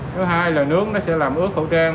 thứ hai là nướng nó sẽ làm ướt khẩu trang